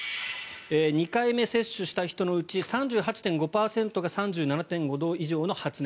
２回目接種した人のうち３８．５％が３７．５度以上の発熱。